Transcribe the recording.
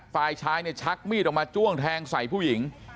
ฝ่ายชายเนี่ยชักมีดออกมาจ้วงแทงใส่ผู้หญิง